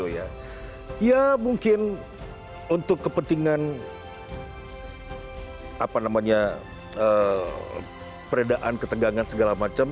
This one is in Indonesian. ya mungkin untuk kepentingan peredaan ketegangan segala macam